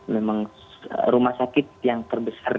memang rumah sakit yang terbesar